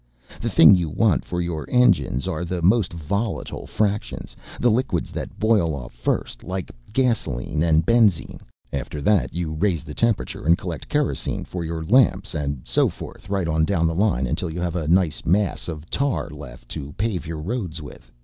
The thing you want for your engines are the most volatile fractions, the liquids that boil off first like gasoline and benzene. After that you raise the temperature and collect kerosene for your lamps and so forth right on down the line until you have a nice mass of tar left to pave your roads with.